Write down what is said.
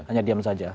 hanya diam saja